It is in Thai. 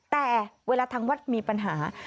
แต่เวลาทางวัดมีปัญหา